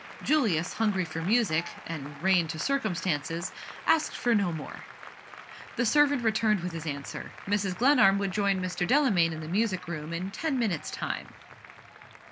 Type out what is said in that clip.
Julius, hungry for music, and reigned to circumstances, asked for no more. The servant returned with his answer. Mrs. Glenarm would join Mr. Delamayn in the music room in ten minutes' time.